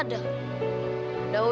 tidak ada weah